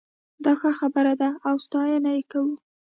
دا ښه خبره ده او ستاينه یې کوو